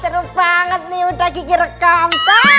seru banget nih udah gigi rekam